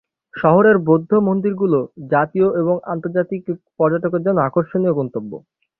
শহরের বৌদ্ধ মন্দিরগুলি জাতীয় এবং আন্তর্জাতিক পর্যটকদের জন্য আকর্ষণীয় গন্তব্য।